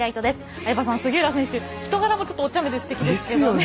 相葉さん、杉浦選手人柄もおちゃめですてきですね。